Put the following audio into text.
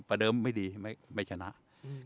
ประเดิมไม่ดีไม่ไม่ชนะอืม